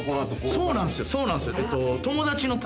そうなんすよ。